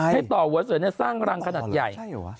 ให้ต่อหัวเสือสร้างรังขนาดใหญ่